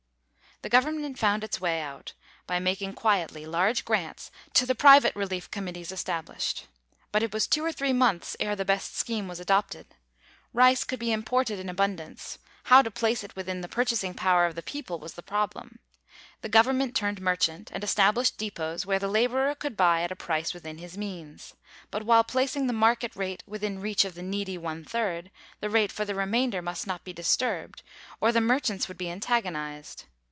The government found its way out by making quietly large grants to the private relief committees established. But it was two or three months ere the best scheme was adopted. Rice could be imported in abundance. How to place it within the purchasing power of the people was the problem. The government turned merchant, and established depots where the laborer could buy at a price within his means. But while placing the market rate within reach of the needy one third, the rate for the remainder must not be disturbed, or the merchants would be antagonized.